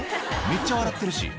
めっちゃ笑ってるし」